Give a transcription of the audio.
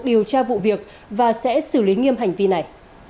điều tra vụ việc và sẽ xử lý nghiêm hành vi này